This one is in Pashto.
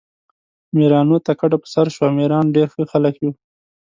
میرانو ته کډه په سر شو، میران ډېر ښه خلک وو.